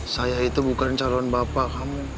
saya itu bukan calon bapak kamu